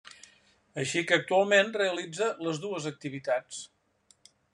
Així que actualment realitza les dues activitats.